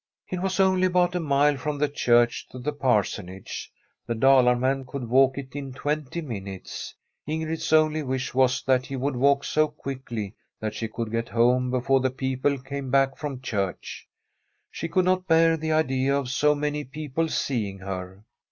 • It was only about a mile from the church to the Parsonage. The Dalar man could walk it in twenty minutes. Ingrid's only wish was that he would walk so quickly that she could get home before the people came back from church. She could not bear the idea of so many people seeing her.